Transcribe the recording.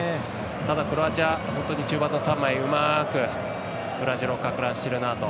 ただクロアチア中盤の３枚、うまくブラジルをかく乱しているなと。